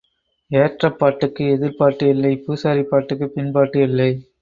ஏற்றப் பாட்டுக்கு எதிர்ப் பாட்டு இல்லை பூசாரி பாட்டுக்குப் பின்பாட்டு இல்லை.